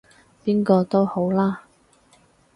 邊個都好啦